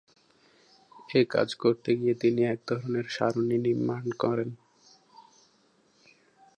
এ কাজ করতে গিয়ে তিনি এক ধরনের সারণী নির্মাণ করেন।